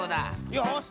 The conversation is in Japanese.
よし！